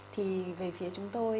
thì về phía chúng tôi